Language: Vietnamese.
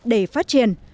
để phát triển